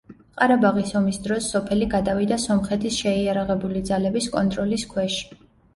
ყარაბაღის ომის დროს სოფელი გადავიდა სომხეთის შეიარაღებული ძალების კონტროლის ქვეშ.